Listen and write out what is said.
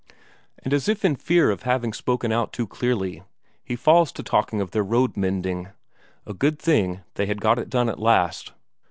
And as if in fear of having spoken out too clearly, he falls to talking of their road mending; a good thing they had got it done at last.